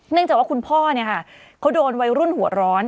เนื่องจากว่าคุณพ่อเนี่ยค่ะเขาโดนวัยรุ่นหัวร้อน